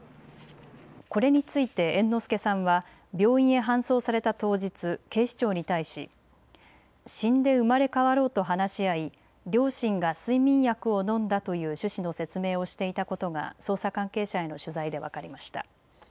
これについて猿之助さんは病院へ搬送された当日、警視庁に対し死んで生まれ変わろうと話し合い両親が睡眠薬を飲んだという趣旨の説明をしていたことが捜査関係者への取材で分かりました。